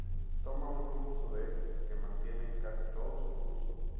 Toma un rumbo sudeste, que mantiene en casi todo su curso.